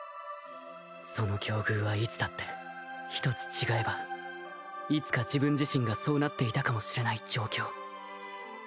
その境遇はいつだって一つ違えばいつか自分自身がそうなっていたかもしれない状況